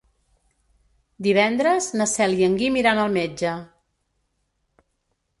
Divendres na Cel i en Guim iran al metge.